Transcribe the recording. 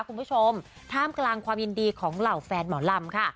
คุณผู้ชมท่ามกลางความยินดีของเหล่าแฟนหมอลำค่ะ